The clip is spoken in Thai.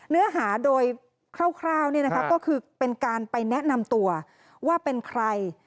เนื้อหาโดยคร่าวก็คือเป็นการไปแนะนำตัวว่าเป็นใคร